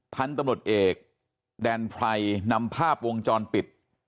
พันธุ์ตำรวจเอกแดนไพรนำภาพวงจรปิด